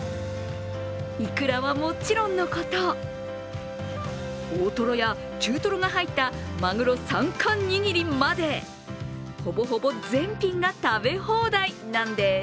イクラはもちろんのこと、大トロや中トロが入ったマグロ３貫握りまで、ほぼほぼ全品が食べ放題なんです。